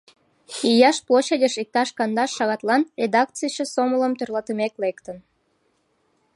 Ийаш площадьыш иктаж кандаш шагатлан, редакцийысе сомылым тӧрлатымек лектын.